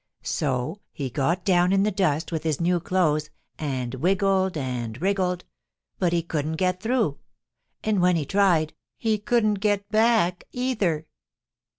So he got down in the dust with his new clothes and wiggled and wriggled, but he couldn't get through, and when he tried he couldn't get back, either.